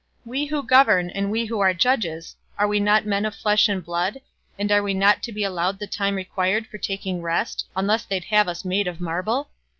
We who govern and we who are judges are we not men of flesh and blood, and are we not to be allowed the time required for taking rest, unless they'd have us made of marble?